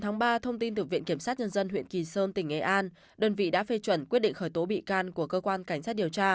ngày một ba thông tin từ viện kiểm sát nhân dân huyện kỳ sơn tỉnh nghệ an đơn vị đã phê chuẩn quyết định khởi tố bị can của cơ quan cảnh sát điều tra